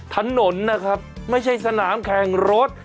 ถนนนะครับไม่ใช่สนามแข่งรถ